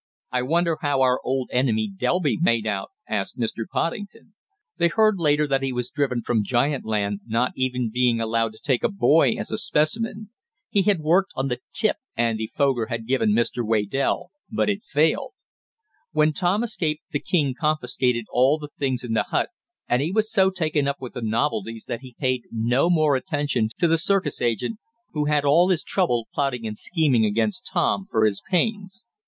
"I wonder how our old enemy Delby made out?" asked Mr. Poddington. They heard later that he was driven from giant land, not even being allowed to take a boy as a specimen. He had worked on the "tip" Andy Foger had given Mr. Waydell, but it failed. When Tom escaped, the king confiscated all the things in the hut, and he was so taken up with the novelties that he paid no more attention to the circus agent, who had all his trouble, plotting and scheming against Tom for his pains.